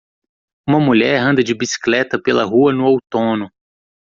Uma mulher anda de bicicleta pela rua no outono